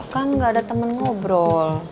kan gak ada teman ngobrol